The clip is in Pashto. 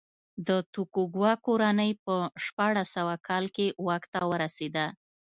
د توکوګاوا کورنۍ په شپاړس سوه کال کې واک ته ورسېده.